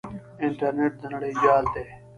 انټرنیټ د نړۍ جال دی.